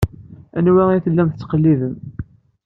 Anwa i tellam tettqellibem?